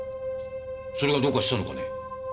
それがどうかしたのかね。